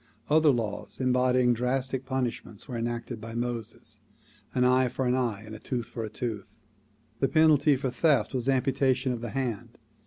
Other laws embodying drastic pun ishments were enacted by Moses ; an eye for an eye, a tooth for a tooth. The penalty for theft was amputation of the hand.